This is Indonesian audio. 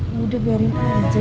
ya udah biarin aja